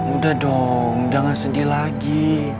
udah dong jangan sedih lagi